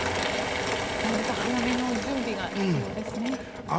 末延さん早めの準備が必要ですね。